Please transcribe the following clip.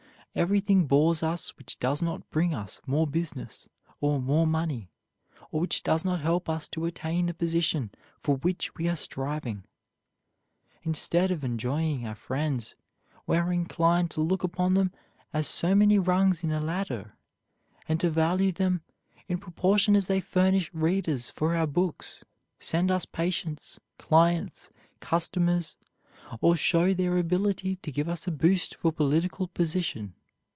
Everything bores us which does not bring us more business, or more money, or which does not help us to attain the position for which we are striving. Instead of enjoying our friends, we are inclined to look upon them as so many rungs in a ladder, and to value them in proportion as they furnish readers for our books, send us patients, clients, customers or show their ability to give us a boost for political position.